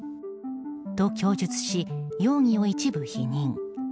と供述し、容疑を一部否認。